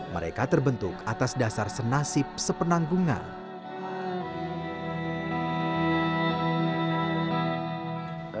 mereka terbentuk atas dasar senasib sepenanggungan